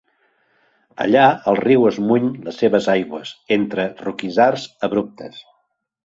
Allà el riu esmuny les seves aigües entre roquissars abruptes.